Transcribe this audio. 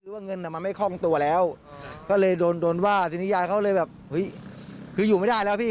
ว่าเงินมันไม่คล่องตัวแล้วก็เลยโดนโดนว่าทีนี้ยายเขาเลยแบบเฮ้ยคืออยู่ไม่ได้แล้วพี่